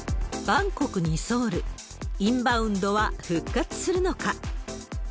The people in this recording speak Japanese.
バンコクにソウル、インバウンドは復活するのか。